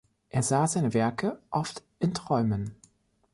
Er sah seine Werke oft in Träumen.